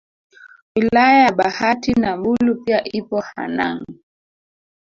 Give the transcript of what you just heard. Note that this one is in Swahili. Wilaya ya Babati na Mbulu pia ipo Hanang